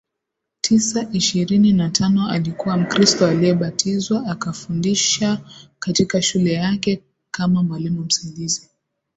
tisa ishirini na tano alikuwa Mkristo aliyebatizwa akafundisha katika shule yake kama mwalimu msaidizi